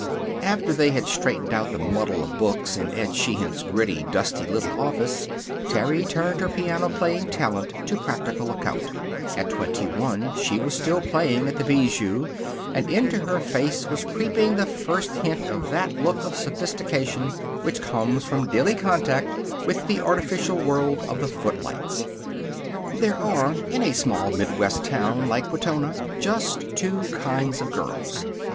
After they had straightened out the muddle of books in Ed Sheehan's gritty, dusty little office Terry turned her piano playing talent to practical account. At twenty one she was still playing at the Bijou, and into her face was creeping the first hint of that look of sophistication which comes from daily contact with the artificial world of the footlights. There are, in a small Midwest town like Wetona, just two kinds of girls.